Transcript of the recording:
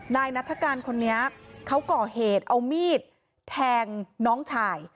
นัฐกาลคนนี้เขาก่อเหตุเอามีดแทงน้องชาย